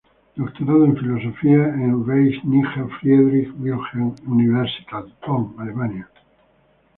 Doctorado en Filosofía en Rheinische Friedrich Wilhelms-Universitat, Bonn, Alemania.